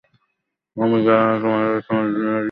অমুধা, তোমাদের দুজনেরই এখানে আসা উচিত নয়।